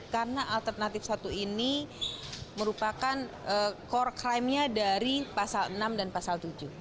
karena alternatif satu ini merupakan core crime nya dari pasal enam dan pasal tujuh